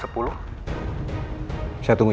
aku pemeriksa tiket